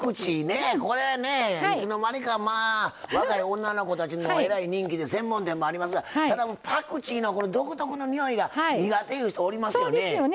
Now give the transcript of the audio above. これね、いつの間にか若い女の子たちにもえらい人気で専門店もありますけどこのパクチーの独特なにおいが、苦手いう人おりますよね。